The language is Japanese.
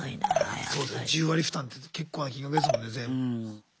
１０割負担って結構な金額ですもんねうん。